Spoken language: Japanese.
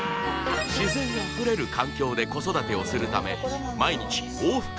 自然あふれる環境で子育てをするため毎日往復